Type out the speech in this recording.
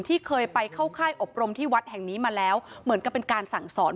ที่เคยไปเข้าค่ายอบรมที่วัดแห่งนี้มาแล้วเหมือนกับเป็นการสั่งสอน